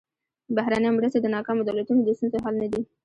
بهرنۍ مرستې د ناکامو دولتونو د ستونزو حل نه دي.